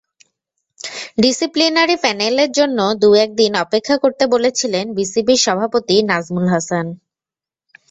Disciplinary প্যানেলের জন্য দু-এক দিন অপেক্ষা করতে বলেছিলেন বিসিবির সভাপতি নাজমুল হাসান।